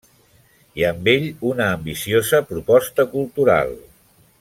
I amb ell, una ambiciosa proposta cultural.